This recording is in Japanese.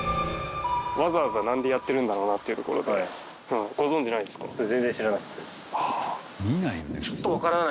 わざわざなんでやってるんだろうなっていうところでご存じないですか？